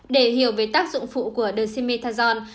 để hiểu về tác dụng phụ của dexamethasone